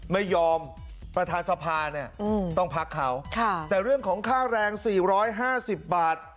ไม่ยอมประธานสภาเนี่ยต้องพักเขาแต่เรื่องของค่าแรง๔๕๐บาท